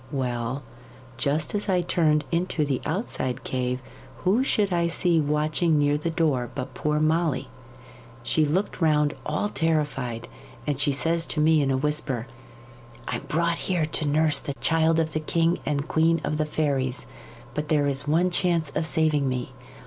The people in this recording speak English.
Well, just as I turned into the outside cave, who should I see watching near the door but poor Molly. She looked round all terrified, and says she to me in a whisper, "I'm brought here to nurse the child of the king and queen of the fairies; but there is one chance of saving me.